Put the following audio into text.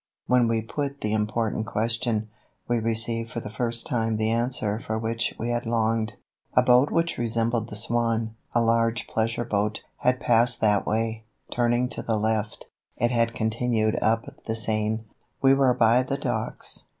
When we put the important question, we received for the first time the answer for which we had longed. A boat which resembled the Swan, a large pleasure boat, had passed that way; turning to the left, it had continued up the Seine. We were by the docks.